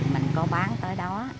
mình có bán tới đó